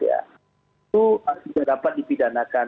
itu tidak dapat dipidanakan